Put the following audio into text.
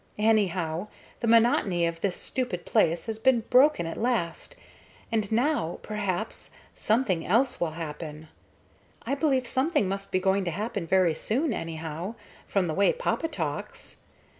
Anyhow, the monotony of this stupid place has been broken at last, and now, perhaps, something else will happen. I believe something must be going to happen very soon, anyhow, from the way papa talks.